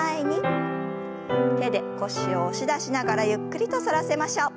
手で腰を押し出しながらゆっくりと反らせましょう。